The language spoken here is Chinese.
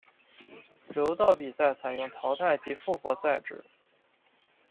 柔道比赛采用淘汰及复活赛制。